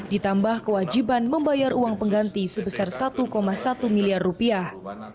ditambah kewajiban membayar uang pengganti sebesar satu satu miliar rupiah